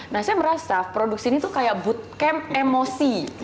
nah saya merasa produksi ini tuh kayak bootcamp emosi